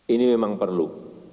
ini memang perlu